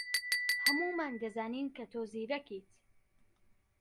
ھەموومان دەزانین کە تۆ زیرەکیت.